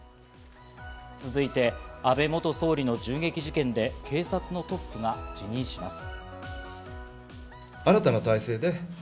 続いて、安倍元総理の銃撃事件で警察のトップが辞任します。